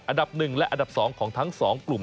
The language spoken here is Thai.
อันดับ๑และอันดับ๒ของทั้ง๒กลุ่ม